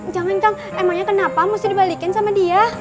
jangan kang emangnya kenapa mesti dibalikin sama dia